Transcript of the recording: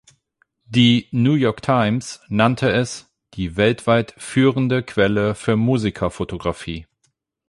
Die "New York Times" nannte es „die weltweit führende Quelle für Musikerfotografie“.